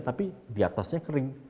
tapi di atasnya kering